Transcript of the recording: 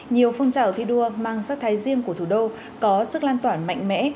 nhiều phong trào thi đua mang sắc thái riêng của thủ đô có sức lan tỏa mạnh mẽ